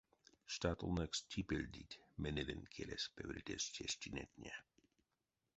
Штатолнэкс типельдить менеленть келес певердезь тештинетне.